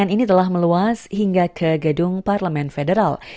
dan ini telah meluas hingga ke gedung parlemen federal